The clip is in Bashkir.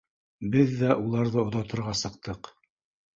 Беҙ ҙә уларҙы оҙатырға сыҡтыҡ.